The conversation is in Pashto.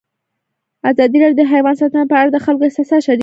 ازادي راډیو د حیوان ساتنه په اړه د خلکو احساسات شریک کړي.